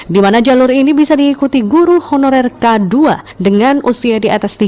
di mana jalur ini bisa diikuti guru honorer k dua dengan usia di atas tiga puluh